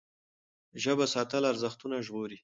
ژبه ساتل ارزښتونه ژغوري.